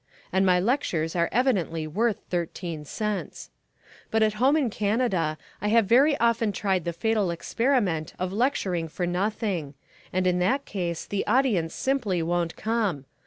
And my lectures are evidently worth thirteen cents. But at home in Canada I have very often tried the fatal experiment of lecturing for nothing: and in that case the audience simply won't come.